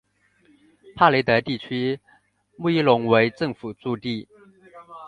帕雷德地区穆伊隆为政府驻地。